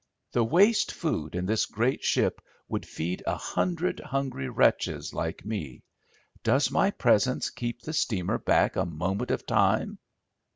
"The waste food in this great ship would feed a hundred hungry wretches like me. Does my presence keep the steamer back a moment of time?